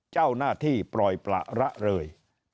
เจ้าหน้าที่ปล่อยประละเลย